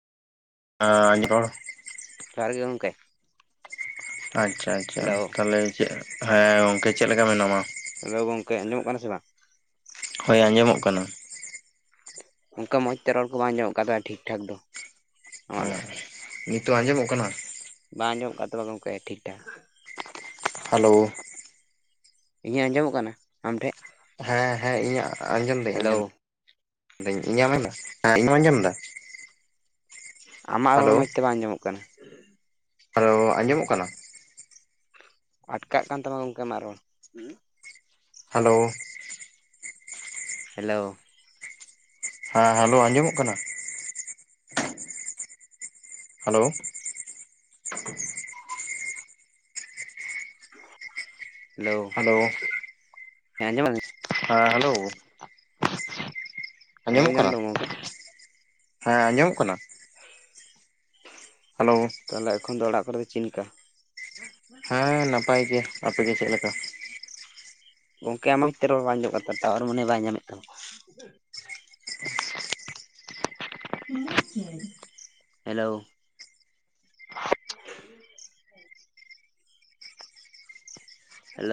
ᱟᱸ ᱡᱷᱚᱲ ᱾ ᱡᱚᱦᱟᱨ ᱜᱮ ᱜᱚᱝᱠᱮ ᱾ ᱟᱪ-ᱪᱷᱟ ᱟᱪ-ᱪᱷᱟ, ᱦᱮᱞᱳ ᱛᱟᱦᱞᱮ ᱪᱮᱜ, ᱦᱮᱸ ᱜᱚᱝᱠᱮ ᱪᱮᱫ ᱞᱮᱠᱟ ᱢᱮᱱᱟᱢᱟ? ᱦᱮᱹᱞᱳ ᱜᱚᱝᱠᱮ ᱟᱸᱡᱚᱢᱚᱜ ᱠᱟᱱᱟ ᱥᱮ ᱵᱟᱝ? ᱦᱚᱭ ᱟᱸᱡᱚᱢᱚᱜ ᱠᱟᱱᱟ ᱾ ᱚᱱᱠᱟ ᱢᱚᱸᱡᱽ ᱛᱮ ᱨᱚᱲ ᱠᱚ ᱵᱟᱝ ᱟᱸᱡᱚᱢᱚᱜ ᱠᱟᱱ ᱛᱟᱦᱮᱸ ᱴᱷᱤᱠ ᱴᱷᱟᱠ ᱫᱚ ᱾ ᱩᱦ ᱱᱤᱛᱚᱜ ᱟᱸᱡᱚᱢᱚᱜ ᱠᱟᱱᱟ? ᱵᱟᱝ ᱟᱸᱡᱚᱢ ᱠᱟᱜ ᱛᱟᱢᱟ ᱜᱚᱝᱠᱮ ᱴᱷᱤᱠ ᱴᱷᱟᱠ ᱾ ᱦᱮᱞᱳ ᱾ ᱤᱧᱟᱜ ᱟᱸᱡᱚᱢᱚᱜ ᱠᱟᱱᱟ ᱟᱢᱴᱷᱮᱱ? ᱦᱮᱸ ᱦᱮᱸ, ᱤᱧᱟᱹᱜ ᱟᱸᱡᱚᱢ ᱫᱟᱹᱧ ᱦᱮᱞᱳ ᱟᱸᱡᱚᱢ ᱫᱟᱹᱧ ' [unintelligible] ᱫᱟᱹᱧᱸ ᱤᱧᱟᱹᱢ ᱟᱸᱡᱚᱢ ᱫᱟ ᱟᱸ ᱤᱧᱟᱹᱢ ᱟᱸᱡᱚᱢ ᱫᱟ? ᱟᱢᱟᱜ ᱨᱚᱲ ᱦᱮᱞᱳ ᱢᱚᱸᱡᱽ ᱛᱮ ᱵᱟᱝ ᱟᱸᱡᱚᱢᱚᱜ ᱠᱟᱱᱟ ᱾ ᱦᱮᱞᱳ ᱟᱸᱡᱚᱢᱚᱜ ᱠᱟᱱᱟ? ᱟᱴᱠᱟᱜ ᱠᱟᱱ ᱛᱟᱢᱟ ᱜᱚᱝᱠᱮ ᱟᱢᱟᱜ ᱨᱚᱲ ᱾ ᱦᱮᱞᱳ ᱾ ᱦᱮᱹᱞᱳ ᱾ ᱦᱮᱸ, ᱦᱮᱞᱳ ᱟᱸᱡᱚᱢᱚᱜ ᱠᱟᱱᱟ? ᱦᱮᱹᱞᱳ ᱴᱷᱚᱲᱚᱝ-ᱩᱷ-ᱦᱚᱝ ᱾ ᱦᱮᱹᱞᱳ ᱦᱮᱞᱳ ᱦᱮᱸ ᱟᱸᱡᱚᱢᱮ ᱦᱮᱸ ᱦᱮᱹᱞᱳ ᱾ ᱟᱸᱡᱚᱢ ᱟᱸᱡᱚᱢᱚᱜ ᱧᱟᱢ ᱠᱟᱱᱟ, ᱫᱟᱢ ᱜᱚᱝᱠᱮ ᱦᱮᱸ ᱟᱸᱡᱟᱢᱚᱜ ᱠᱟᱱᱟ? ᱦᱮᱞᱳ ᱛᱟᱞᱦᱮ ᱮᱠᱷᱚᱱ ᱫᱚ ᱚᱲᱟᱜ ᱠᱚᱨᱮ ᱫᱚ ᱪᱮᱞᱠᱟ? ᱦᱮᱸ, ᱱᱟᱯᱟᱭ ᱜᱮ ᱟᱯᱮ ᱜᱮ ᱪᱮᱫ ᱞᱮᱠᱟ? ᱜᱚᱝᱠᱮ ᱟᱢᱟᱝ ᱦᱤᱛᱚᱜ ᱨᱚᱲ ᱵᱟᱝ ᱟᱸᱡᱚᱢᱚᱜ ᱠᱟᱱ ᱛᱟᱢᱟ ᱴᱟᱣᱟᱨ ᱢᱚᱱᱮ ᱵᱟᱭ ᱧᱟᱢᱮᱜ ᱛᱟᱢᱟ ᱾ ᱥᱩᱸ-ᱜ-ᱷᱟᱸ-ᱦ ᱾ ᱤᱧᱟᱪ ᱪᱮ, ᱦᱮᱞᱳ ᱾ ᱪᱷᱟᱜ ᱾ ᱦᱮᱞᱳ